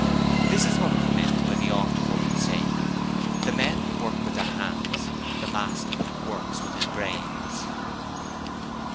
This is what is meant by the oft quoted saying, 'The men work with their hands the master works with his brains.'